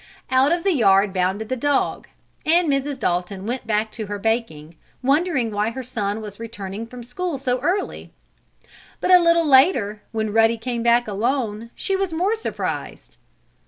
Out of the yard bounded the dog, and Mrs. Dalton went back to her baking, wondering why her son was returning from school so early. But, a little later, when Ruddy came back alone, she was more surprised.